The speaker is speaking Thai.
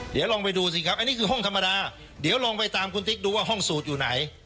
เดี๋ยวลองไปดูสิครับอันนี้คือห้องธรรมดาเดี๋ยวลองไปตามคุณติ๊กดูว่าห้องสูตรอยู่ไหน